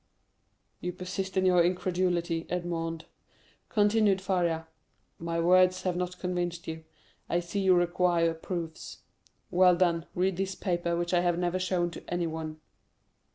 "You persist in your incredulity, Edmond," continued Faria. "My words have not convinced you. I see you require proofs. Well, then, read this paper, which I have never shown to anyone."